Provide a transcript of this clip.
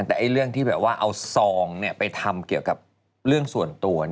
แต่เรื่องที่แบบว่าเอาซองไปทำเกี่ยวกับเรื่องส่วนตัว